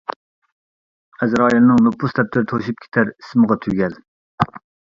ئەزرائىلنىڭ نوپۇس دەپتىرى توشۇپ كېتەر ئىسىمغا تۈگەل.